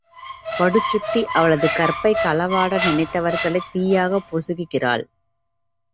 படுசுட்டி அவளது கற்பைக் களவாட நினைத்தவர்களைத் தீயாகப் பொசுக்குகிறாள்.